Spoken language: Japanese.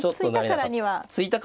突いたからには。